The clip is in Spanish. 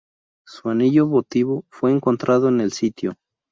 Su anillo votivo fue encontrado en el sitio.